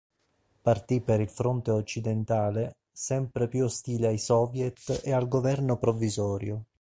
Partì per il fronte occidentale, sempre più ostile ai soviet e al governo provvisorio.